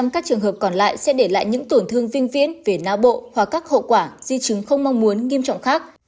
một mươi các trường hợp còn lại sẽ để lại những tổn thương vinh viễn về não bộ hoặc các hậu quả di chứng không mong muốn nghiêm trọng khác